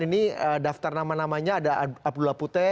ini daftar nama namanya ada abdullah putih